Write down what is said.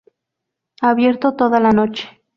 Abierto toda la noche.